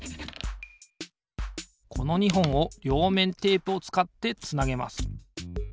この２ほんをりょうめんテープをつかってつなげます。